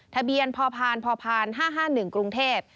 ทะเบียนพพ๕๕๑กรุงเทพ